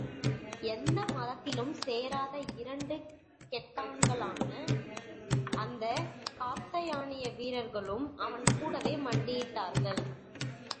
எந்த மதத்திலும் சேராத இரண்டும் கெட்டான்களான அந்த காத்தயானிய வீரர்களும் அவன் கூடவே மண்டியிட்டார்கள்.